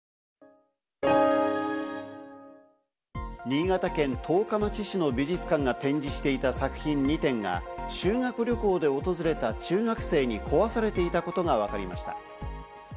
新潟県十日町市の美術館が展示してた作品２点が修学旅行で訪れた中学生に壊されていたことがわかりました。